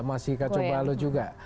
masih kacau balut juga